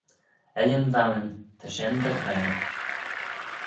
Ellan Vannin, ta shen dy ghra.